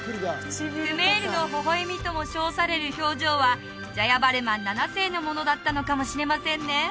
クメールの微笑みとも称される表情はジャヤヴァルマン７世のものだったのかもしれませんね